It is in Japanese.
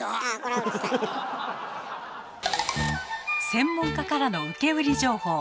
専門家からの受け売り情報。